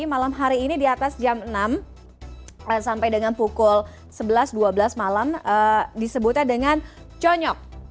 malam hari ini di atas jam enam sampai dengan pukul sebelas dua belas malam disebutnya dengan conyok